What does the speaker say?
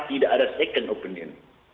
tidak ada pembukaan kedua